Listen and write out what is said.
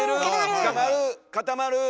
つかまる固まる